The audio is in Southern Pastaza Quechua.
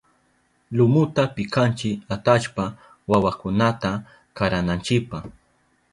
Lumuta pikanchi atallpa wawakunata karananchipa.